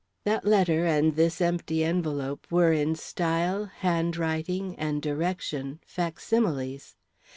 That letter and this empty envelope were, in style, handwriting, and direction, facsimiles.